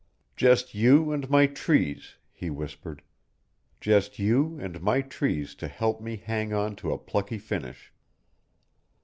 "Just you and my trees," he whispered, "just you and my trees to help me hang on to a plucky finish."